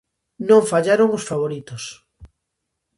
Non fallaron os favoritos: